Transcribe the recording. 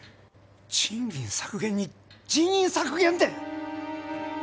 賃金削減に人員削減って！